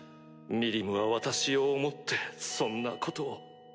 ミリムは私を思ってそんなことを。